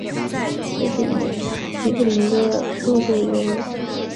这是以吉卜林的著名原作为基础所做的动画。